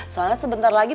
soalnya sebentar lagi